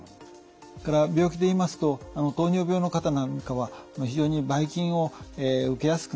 それから病気で言いますと糖尿病の方なんかは非常にばい菌を受けやすくなります。